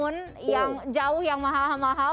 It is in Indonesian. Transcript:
namun yang jauh yang mahal mahal